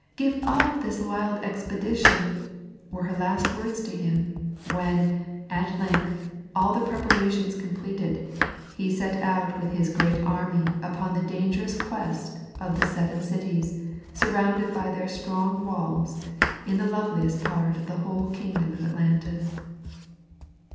Give up this wild expedition," were her last words to him; when, at length, all the preparations completed, he set out with his great army upon the dangerous quest of the seven cities surrounded by their strong walls in the loveliest part of the whole kingdom of Atlantis.